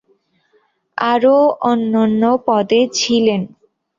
আরো অন্যন্য পদে ছিলেন।